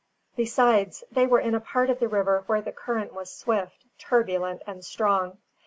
Besides, they were in a part of the river where the current was swift, turbulent, and strong.